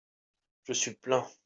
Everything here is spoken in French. Je suis plein.